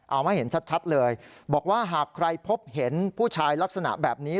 เอามาเห็นชัดเลยบอกว่าหากใครพบเห็นผู้ชายลักษณะแบบนี้